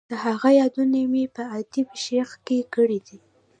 د هغه یادونه مې په ادیب شیخ کې کړې ده.